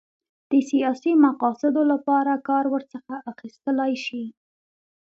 د سیاسي مقاصدو لپاره کار ورڅخه اخیستلای شي.